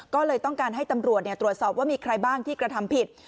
ก็เลยต้องการให้ตำรวจตรวจสอบว่ามีใครบ้างที่กระทำผิด